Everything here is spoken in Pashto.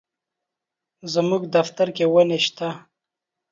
زموږ دفتر کي وني شته.